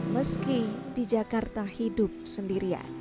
meski di jakarta hidup sendirian